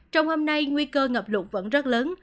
trong hôm nay nguy cơ ngập lụt vẫn rất lớn